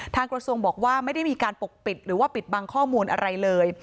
กระทรวงบอกว่าไม่ได้มีการปกปิดหรือว่าปิดบังข้อมูลอะไรเลย